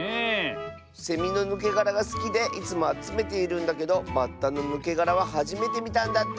セミのぬけがらがすきでいつもあつめているんだけどバッタのぬけがらははじめてみたんだって。